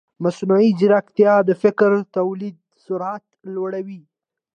مصنوعي ځیرکتیا د فکري تولید سرعت لوړوي.